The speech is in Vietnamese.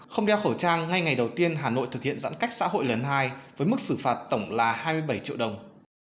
không đeo khẩu trang ngay ngày đầu tiên hà nội thực hiện giãn cách xã hội lần hai với mức xử phạt tổng là hai mươi bảy triệu đồng